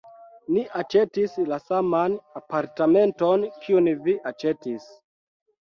Ni aĉetis la saman apartamenton kiun vi aĉetis.